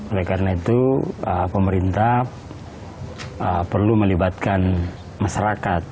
oleh karena itu pemerintah perlu melibatkan masyarakat